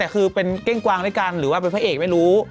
คือเป็นเก้งกวางด้วยกันหรือว่าเป็นพระเอกไม่รู้